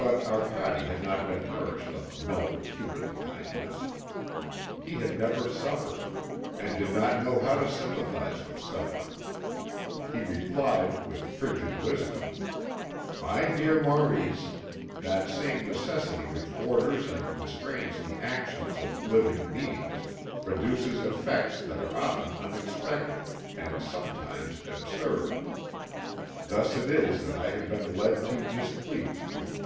But Arcade had not been nourished on the milk of human kindness. He had never suffered, and did not know how to sympathise with suffering. He replied with frigid wisdom: "My dear Maurice, that same necessity which orders and constrains the actions of living beings, produces effects that are often unexpected, and sometimes absurd. Thus it is that I have been led to displease you.